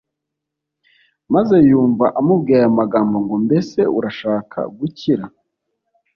maze yumva amubwiye aya amagambo ngo, “Mbese urashaka gukira?”